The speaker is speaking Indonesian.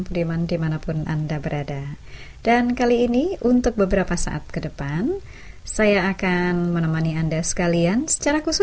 hilanglah pelindung dalam bahaya